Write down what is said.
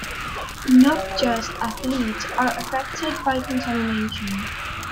Not just athletes are affected by contamination.